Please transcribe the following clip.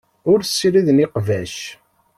Ur ssiriden iqbac.